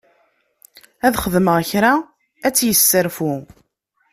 Ad xedmeɣ kra ad tt-yesserfu.